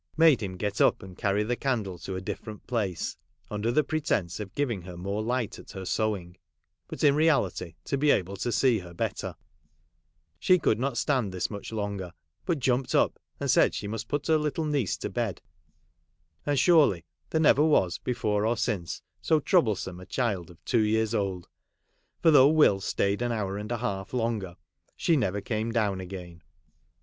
made him get up and carry the candle to a different place, under the pretence of giving her more light at her sewing, but, in reality, to be able to see her better ; she could not stand this much longer, but jumped up, and said she must put her little niece to bed ; and surely, there never was, before or since, so troublesome a child of two years old ; for, though Will staid (i HOUSEHOLD WOEDS. I Conducted by an hour and a half longer, she never r;mi< down again.